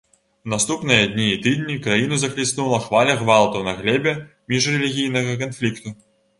У наступныя дні і тыдні краіну захліснула хваля гвалту на глебе міжрэлігійнага канфлікту.